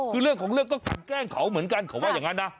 คือเรื่องของเรื่องก็กันแกล้งเขาเหมือนกันเขาว่าอย่างนั้นนะ